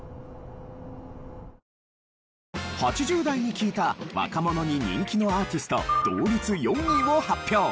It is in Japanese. ８０代に聞いた若者に人気のアーティスト同率４位を発表。